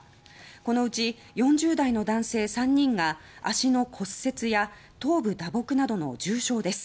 このうち４０代の男性３人が足の骨折や頭部打撲などの重傷です。